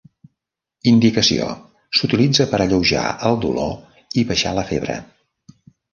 Indicació: S"utilitza per alleujar el dolor i baixar la febre.